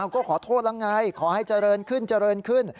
ก็ขอโทษแล้วไงขอให้เจริญขึ้นเจริญขึ้น